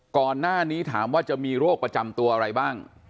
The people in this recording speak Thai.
ก่อนหน้านี้ถามว่าจะมีโรคประจำตัวอะไรบ้าง